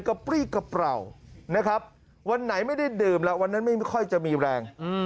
ปรี้กระเปรานะครับวันไหนไม่ได้ดื่มแล้ววันนั้นไม่ค่อยจะมีแรง